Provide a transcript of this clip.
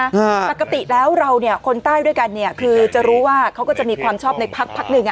ปกติแล้วเราเนี่ยคนใต้ด้วยกันเนี่ยคือจะรู้ว่าเขาก็จะมีความชอบในพักพักหนึ่งอ่ะ